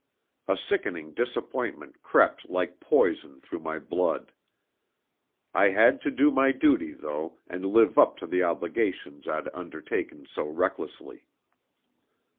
A sickening disappointment crept like poison through my blood. I had to do my duty, though, and live up to the obligations I'd undertaken so recklessly.